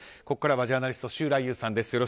ここからはジャーナリスト周来友さんです。